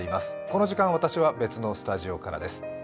この時間、私は別のスタジオからです。